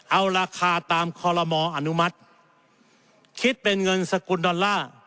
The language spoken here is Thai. เอาราคาตามคอลโลมออนุมัติคิดเป็นเงินสกุลดอลลาร์